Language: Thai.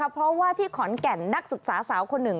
เพราะว่าที่ขอนแก่นนักศึกษาสาวคนหนึ่ง